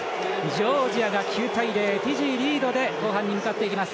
ジョージアが９対０とリードで後半に向かっていきます。